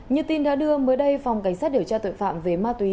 như tin đã đưa mới đây phòng cảnh sát điều tra tội phạm về ma túy